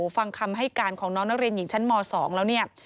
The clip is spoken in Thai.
ฟังคำให้การของน้องนักเรียนหญิงชั้นม๒แล้วเนี่ย